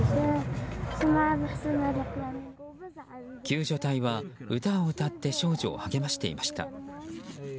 救助隊は歌を歌って少女を励ましていました。